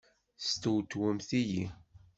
Testewtwemt-iyi!